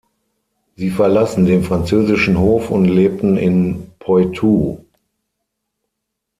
Sie verlassen den französischen Hof und lebten in Poitou.